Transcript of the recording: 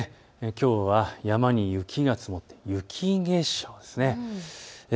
きょうは山に雪が積もって雪化粧ですね。